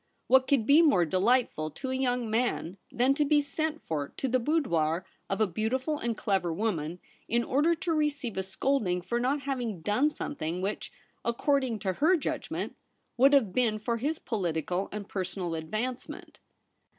What could be more de lightful to a young man than to be sent for to the boudoir of a beautiful and clever woman in order to receive a scolding for not having done something which, according to her judgment, would have been for his political and personal advancement